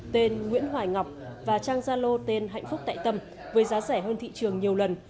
tên nguyễn hoài ngọc và trang gia lô tên hạnh phúc tại tâm với giá rẻ hơn thị trường nhiều lần